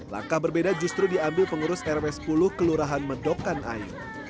langkah berbeda justru diambil pengurus rw sepuluh kelurahan medokan ayu